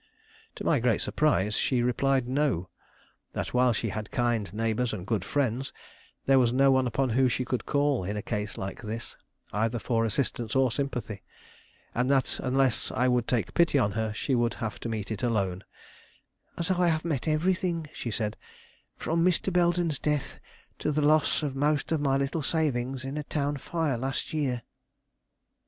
To my great surprise she replied no; that while she had kind neighbors and good friends, there was no one upon whom she could call in a case like this, either for assistance or sympathy, and that, unless I would take pity on her, she would have to meet it alone "As I have met everything," she said, "from Mr. Belden's death to the loss of most of my little savings in a town fire last year."